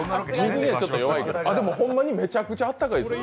ほんまにめちゃくちゃあったかいです。